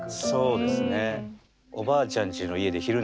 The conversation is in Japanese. そうですね。